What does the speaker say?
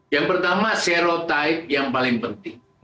yang pertama serotipe yang paling penting